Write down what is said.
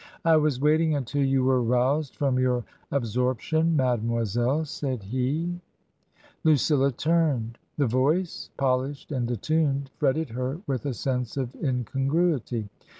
" I was waiting until you were roused from your ab sorption, mademoiselle," said he. TRANSITION. 165 Lucilla turned. The voice, polished and attuned, fretted her with a sense of incongruity.